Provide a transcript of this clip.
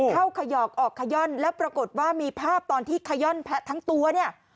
ขยอกออกขย่อนแล้วปรากฏว่ามีภาพตอนที่ขย่อนแพะทั้งตัวเนี่ย